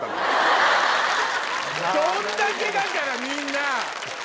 どんだけだからみんな。